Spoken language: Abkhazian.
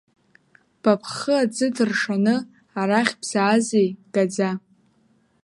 Ба бхы аӡы ҭыршаны, арахь бзаазеи, гаӡа!